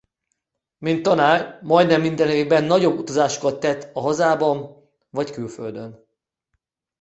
Mint tanár majdnem minden évben nagyobb utazásokat tett a hazában vagy külföldön.